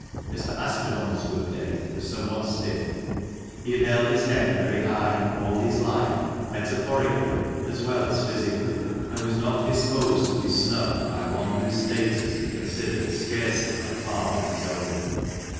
Mr. Aspinall's "Good day" was somewhat stiff. He had held his head very high all his life, metaphorically as well as physically, 248 THE MANCHESTER MAN. and was not disposed to be snubbed by one whose status he considered scarcely on a par with his own.